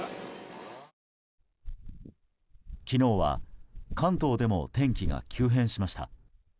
昨日は関東でも天気が急変しました。